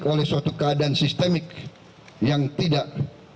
oleh suatu keadaan sistemik yang tidak